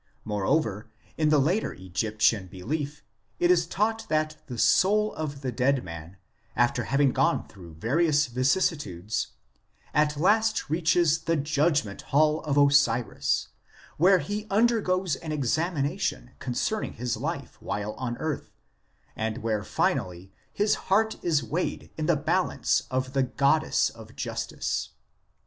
Moreover, in the later Egyptian belief it is taught that the soul of the dead man, after having gone through various vicissitudes, at last reaches the judgement hall of Osiris, where he undergoes an examination concerning his life while on earth, and where finally his heart is weighed in the balance of the goddess of justice.